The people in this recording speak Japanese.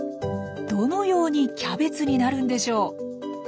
どのようにキャベツになるんでしょう？